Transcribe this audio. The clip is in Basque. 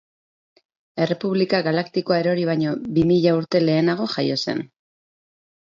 Errepublika Galaktikoa erori baino bi mila urte lehenago jaio zen.